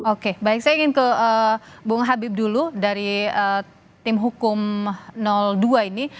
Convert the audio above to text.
oke baik saya ingin ke bung habib dulu dari tim hukum dua ini